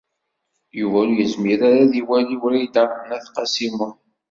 Yuba ur yezmir ara ad iwali Wrida n At Qasi Muḥ.